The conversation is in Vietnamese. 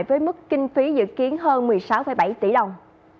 với mức kinh phí dự kiến hơn một mươi sáu bảy tỷ đồng